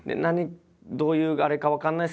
どういうあれか分かんないですけど